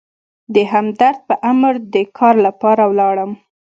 د همدرد په امر د کار لپاره ولاړم.